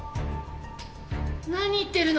何言ってるの？